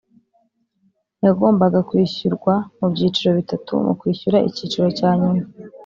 yagombaga kwishyurwa mu byiciro bitatu Mu kwishyura icyiciro cya nyuma